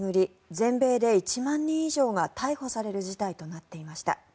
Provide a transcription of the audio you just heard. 全米で１万人以上が逮捕される事態となっていました。